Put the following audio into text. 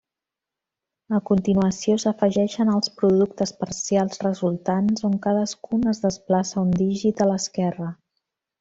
A continuació, s'afegeixen els productes parcials resultants on cadascun es desplaça un dígit a l'esquerra.